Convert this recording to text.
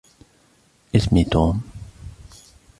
إسمي توم.